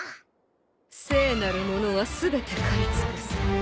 聖なるものは全て狩り尽くす！